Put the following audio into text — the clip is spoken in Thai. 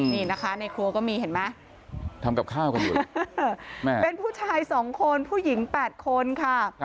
นี่นะคะในครัวก็มีเห็นไหมเป็นผู้ชาย๒คนผู้หญิง๘คนค่ะ